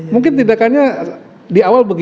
mungkin tidak hanya di awal begitu